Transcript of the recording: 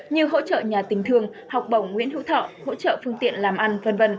như hỗ trợ nhà tình thương học bổng nguyễn hữu thọ hỗ trợ phương tiện làm ăn v v